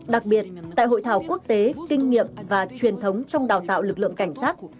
đặc biệt tại hội thảo quốc tế kinh nghiệm và truyền thống trong đào tạo lực lượng cảnh sát